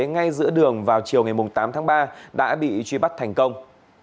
ngay giữa đường vào chiều ngày tám tháng ba đã bị truy bắt thành công